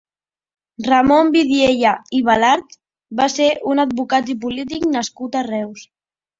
Ramon Vidiella i Balart va ser un advocat i polític nascut a Reus.